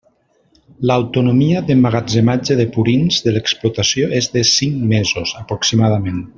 L'autonomia d'emmagatzematge de purins de l'explotació és de cinc mesos aproximadament.